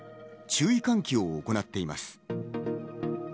注意喚起を行っています。